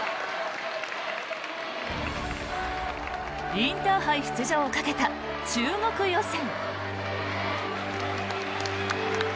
インターハイ出場をかけた中国予選。